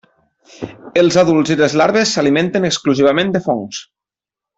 Els adults i les larves s'alimenten exclusivament de fongs.